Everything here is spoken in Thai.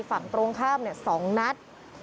ฝั่งตรงข้ามเนี่ย๒นัท